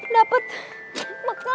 dapet bekal nih